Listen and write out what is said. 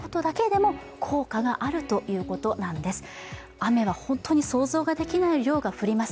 雨は想像できない量が降ります。